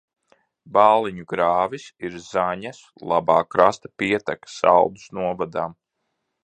Bāliņu grāvis ir Zaņas labā krasta pieteka Saldus novadā.